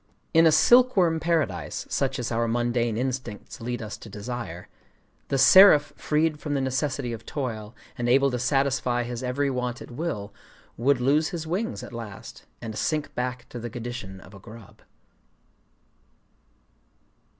In a silkworm paradise such as our mundane instincts lead us to desire, the seraph freed from the necessity of toil, and able to satisfy his every want at will, would lose his wings at last, and sink back to the condition of a grub….